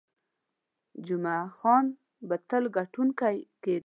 جمعه خان به تل ګټونکی کېده.